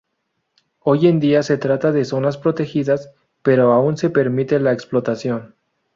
Hoy en día se trata de zonas protegidas, pero aún se permite la explotación.